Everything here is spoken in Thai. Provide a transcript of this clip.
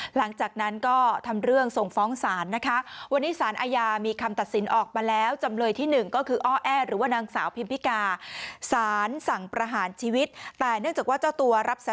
หลังจากนั้นก็ทำเรื่องส่งฟ้องศาลนะคะ